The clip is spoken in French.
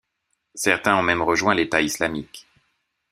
Certains ont même rejoint l'État islamique.